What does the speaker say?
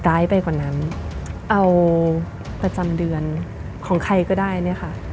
ร้ายไปกว่านั้นเอาประจำเดือนของใครก็ได้เนี่ยค่ะ